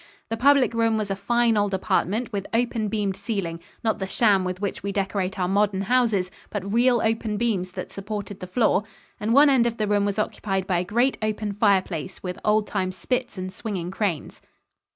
The public room was a fine old apartment with open beamed ceiling not the sham with which we decorate our modern houses, but real open beams that supported the floor and one end of the room was occupied by a great open fireplace with old time spits and swinging cranes.